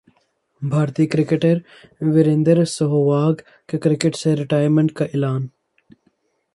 بھارتی کرکٹر وریندر سہواگ کا کرکٹ سے ریٹائرمنٹ کا اعلان